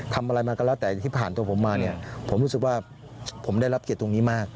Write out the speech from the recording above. ทำอะไรมาก็แล้วแต่ที่ผ่านตัวผมมาเนี่ยผมรู้สึกว่าผมได้รับเกียรติตรงนี้มาก